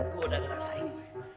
gue udah ngerasain